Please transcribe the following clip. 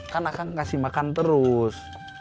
kan akang kasih makan terus